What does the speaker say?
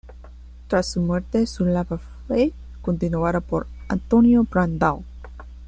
Tras su muerte, su labor fue continuada por António Brandão.